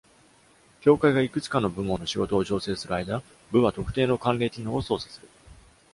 「境界」がいくつかの部門の仕事を調整する間、「部」は特定の慣例機能を操作する